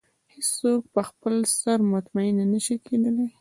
هېڅ څوک په خپل سر مطمئنه نه شي کېدلی.